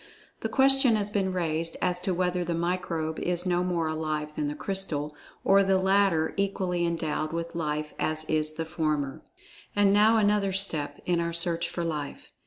The question has been raised as to whether the microbe is no more alive than the crystal, or the latter equally endowed with life as is the former." And now another step, in our search for Life.